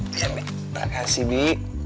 terima kasih bi